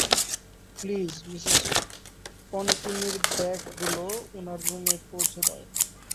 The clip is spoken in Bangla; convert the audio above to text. প্লিজ, মিসেস পন্টিনির ব্যাগগুলো উনার রুমে পৌঁছে দাও।